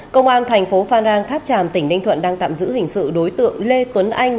công an thành phố phan rang tháp tràm tỉnh ninh thuận đang tạm giữ hình sự đối tượng lê tuấn anh